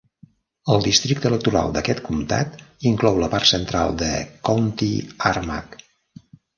El districte electoral d"aquest comtat inclou la part central de County Armagh.